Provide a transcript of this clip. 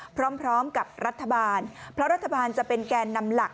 พร้อมกับรัฐบาลเพราะรัฐบาลจะเป็นแกนนำหลัก